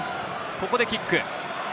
ここでキック。